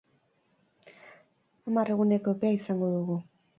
Hamar eguneko epea izango dugu.